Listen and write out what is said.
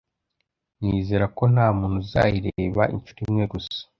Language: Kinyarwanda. nizera ko nta muntu uzayireba inshuro imwe gusa